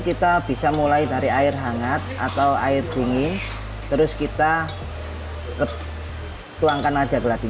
lebih susah atau membutuhkan effort